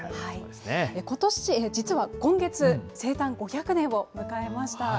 ことし、実は今月、生誕５００年を迎えました。